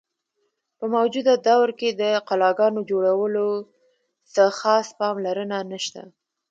په موجوده دور کښې د قلاګانو جوړولو څۀ خاص پام لرنه نشته۔